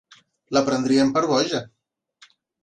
La prendrien per boja.